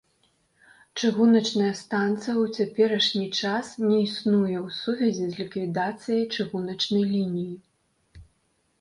Чыгуначная станцыя ў цяперашні час не існуе ў сувязі з ліквідацыяй чыгуначнай лініі.